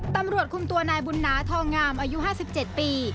ตำรวจคุมตัวนายบุญนาทองงามอายุ๕๗ปี